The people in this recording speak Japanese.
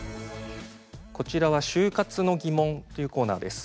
こちらは「就活の疑問」というコーナーです。